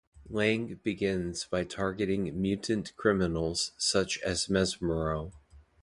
Lang begins by targeting mutant criminals such as Mesmero.